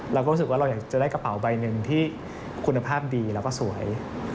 เราก็รู้สึกว่าเราอยากจะได้กระเป๋าใบหนึ่งที่คุณภาพดีแล้วก็สวย